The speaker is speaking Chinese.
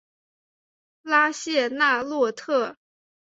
拉谢纳洛特。